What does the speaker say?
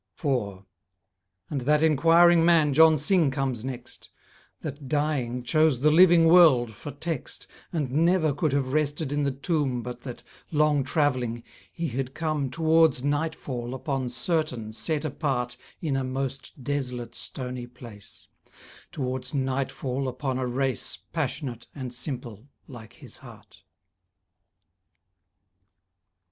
4 And that enquiring man John Synge comes next, That dying chose the living world for text And never could have rested in the tomb But that, long travelling, he had come Towards nightfall upon certain set apart In a most desolate stony place, Towards nightfall upon a race Passionate and simple like his heart.